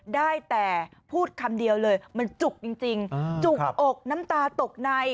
ได้แต่พูดคำเดียวเลยมันจุกจริงจุกอกน้ำตาตกใน